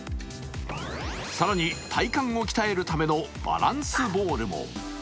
更に体幹を鍛えるためのバランスボールも。